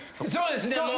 そうですね